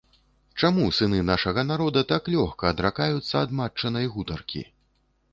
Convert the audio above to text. Чаму сыны нашага народа так лёгка адракаюцца ад матчынай гутаркі?